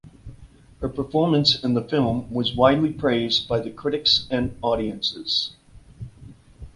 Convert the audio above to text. Her performance in the film was widely praised by the critics and audiences.